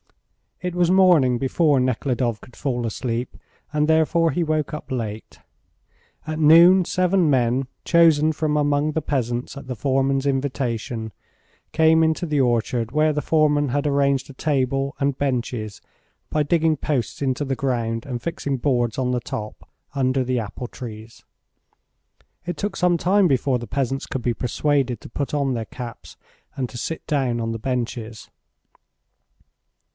It was morning before Nekhludoff could fall asleep, and therefore he woke up late. At noon seven men, chosen from among the peasants at the foreman's invitation, came into the orchard, where the foreman had arranged a table and benches by digging posts into the ground, and fixing boards on the top, under the apple trees. It took some time before the peasants could be persuaded to put on their caps and to sit down on the benches.